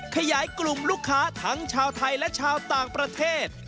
ขยายกลุ่มลูกค้าทั้งชาวไทยและชาวต่างประเทศ